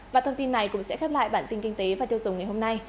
và thông tin này cũng sẽ khép lại bản tin kinh tế và tiêu dùng ngày hôm nay